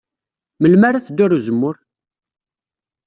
Melmi ara teddu ɣer uzemmur?